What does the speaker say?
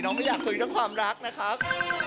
น้องไม่อยากคุยเรื่องความรักนะครับ